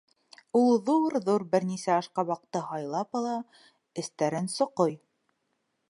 Ул ҙур-ҙур бер нисә ашҡабаҡты һайлап ала, эстәрен соҡой.